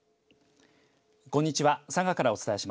こんにちは。